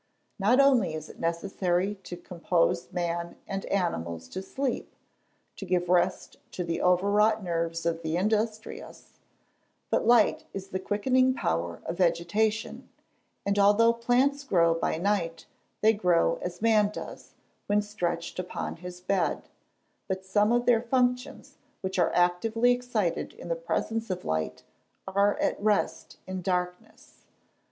Not only is it necessary to compose man and animals to sleep, to give rest to the over wrought nerves of the industrious but light is the quickening power of vegetation, and although plants grow by night, they grow, as man does, when stretched upon his bed but some of their functions, which are actively excited in the presence of light, are at rest in darkness.